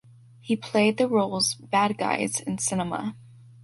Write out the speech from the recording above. He played the roles bad guys in cinema.